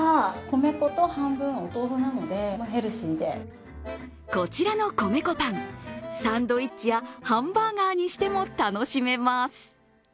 米粉と半分お豆腐なのでこちらの米粉パン、サンドイッチやハンバーガーにしても楽しめます。